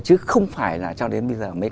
chứ không phải là cho đến bây giờ mới